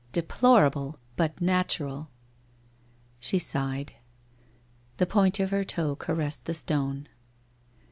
Deplorable, but natural ! She sighed. The point of her toe caressed the stone.